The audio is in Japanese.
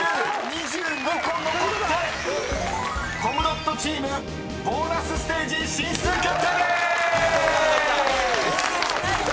２２個残ってコムドットチームボーナスステージ進出決定でーす！］